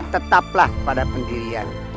tetaplah pada pendirian